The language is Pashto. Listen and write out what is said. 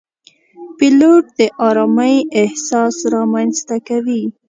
پیلوټ د آرامۍ احساس رامنځته کوي.